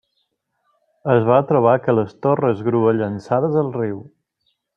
Es va trobar que les torres grua llançades al riu.